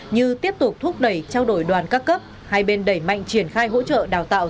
như tiếp tục thúc đẩy trao đổi đoàn các cấp hai bên đẩy mạnh triển khai hỗ trợ đào tạo